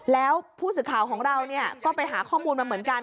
แล้วผู้สื่อข่าวของเราก็ไปหาข้อมูลมาเหมือนกัน